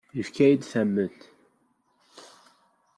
Yessefk ad iyi-tamnemt.